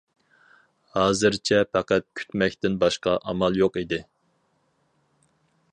ھازىرچە پەقەت كۈتمەكتىن باشقا ئامال يوق ئىدى.